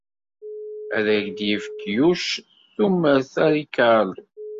Ad ak-d-yefk Yuc tumert a Ricardo.